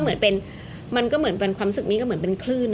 มีค่ะมันก็เหมือนเป็นความศึกมี่เหมือนเป็นคลื่น